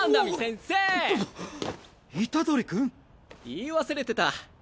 言い忘れてた。